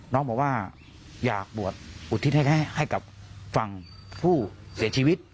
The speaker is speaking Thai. น้องบอกว่าอยากบวชอุทิศให้กับฝั่งผู้เสียชีวิต